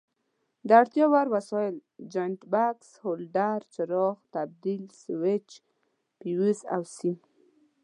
د اړتیا وړ وسایل: جاینټ بکس، هولډر، څراغ، تبدیل سویچ، فیوز او سیم.